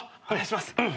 お願いします。